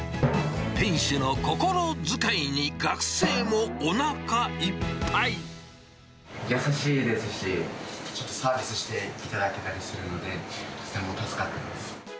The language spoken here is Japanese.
店主の心遣いに学生もおなかいっ優しいですし、ちょっとサービスしていただけたりするので、とても助かってます。